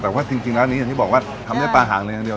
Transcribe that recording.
แต่ว่าจริงแล้วนี้อย่างที่บอกว่าทำด้วยปลาหางในอย่างเดียว